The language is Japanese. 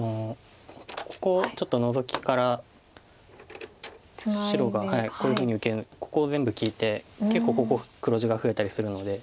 ここちょっとノゾキから白がこういうふうにここ全部利いて結構ここ黒地が増えたりするので。